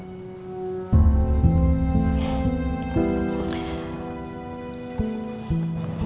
sangat sangat menghormati beliau